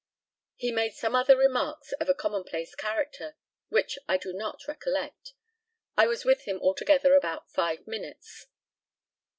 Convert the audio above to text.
He made some other remarks of a commonplace character, which I do not recollect. I was with him altogether about five minutes.